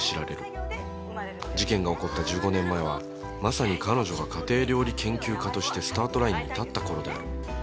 事件が起こった１５年前はまさに彼女が家庭料理研究家としてスタートラインに立った頃である